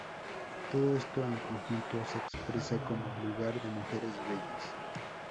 Todo esto en conjunto se expresa como "Lugar de mujeres bellas".